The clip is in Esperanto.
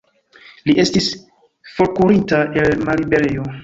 Li estis forkurinta el malliberejo.